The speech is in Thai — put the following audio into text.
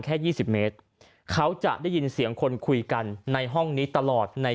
แค่๒๐เมตรเขาจะได้ยินเสียงคนคุยกันในห้องนี้ตลอดใน